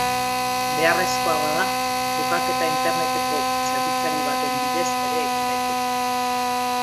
Beharrezkoa bada, trukaketa interneteko zerbitzari baten bidez ere egin daiteke.